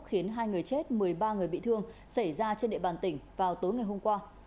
khiến hai người chết một mươi ba người bị thương xảy ra trên địa bàn tỉnh vào tối ngày hôm qua